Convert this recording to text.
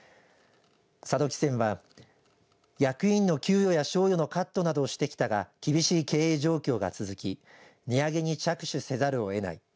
佐渡汽船は役員の給与や賞与のカットなどをしてきたが厳しい経営状況が続き値上げに着手せざるをえない。